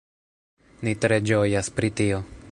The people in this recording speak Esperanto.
Ni tre ĝojas pri tio